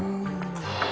あ。